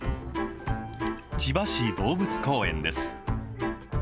千葉市動物公園です。